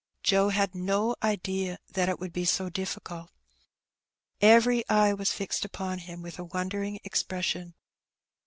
Joe had no idea that it would be so difficult. Every eye was fixed upon him with a wondering expression.